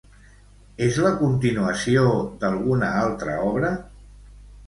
És la continuació d'alguna altra obra?